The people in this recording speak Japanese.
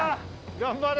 頑張れ。